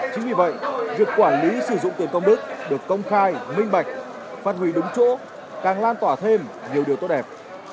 chính vì vậy việc quản lý sử dụng tiền công đức được công khai minh bạch phát hủy đúng chỗ càng lan tỏa thêm nhiều điều tốt đẹp